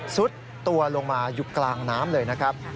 สุดตัวลงมาอยู่กลางน้ำเลยนะครับ